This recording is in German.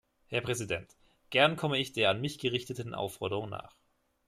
Herr Präsident, gern komme ich der an mich gerichteten Aufforderung nach.